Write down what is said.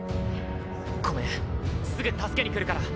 ごめんすぐ助けに来るから！